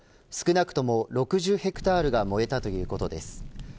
少なくとも６０ヘクタールが燃えたということです。